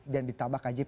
dan ditambah kjp